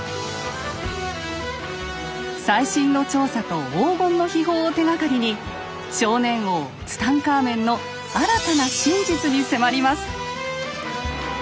最新の調査と黄金の秘宝を手がかりに少年王ツタンカーメンの新たな真実に迫ります。